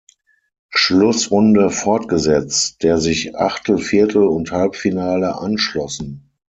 Schlussrunde fortgesetzt, der sich Achtel-, Viertel- und Halbfinale anschlossen.